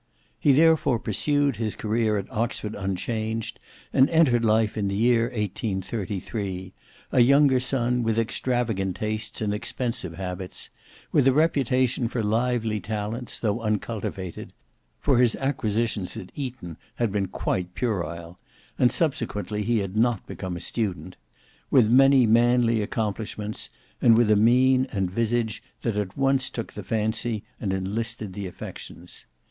He therefore pursued his career at Oxford unchanged, and entered life in the year 1833, a younger son with extravagant tastes and expensive habits, with a reputation for lively talents though uncultivated,—for his acquisitions at Eton had been quite puerile, and subsequently he had not become a student,—with many manly accomplishments, and with a mien and visage that at once took the fancy and enlisted the affections.